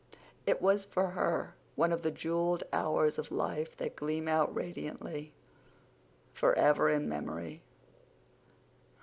It was for her one of the jeweled hours of life that gleam out radiantly forever in memory.